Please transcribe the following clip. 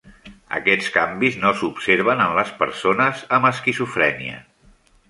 Aquests canvis no s'observen en les persones amb esquizofrènia.